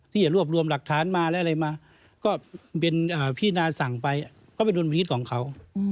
ที่จะรวบรวมหลักฐานมาและอะไรมาก็เป็นพี่นาสั่งไปก็เป็นดุลพินิษฐ์ของเขา